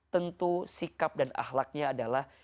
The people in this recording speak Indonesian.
tentu sikap dan ahlaknya adalah